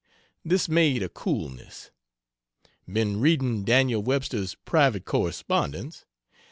This made a coolness. Been reading Daniel Webster's Private Correspondence.